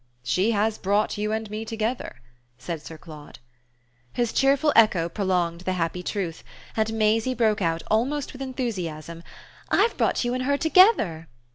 "She has brought you and me together," said Sir Claude. His cheerful echo prolonged the happy truth, and Maisie broke out almost with enthusiasm: "I've brought you and her together!"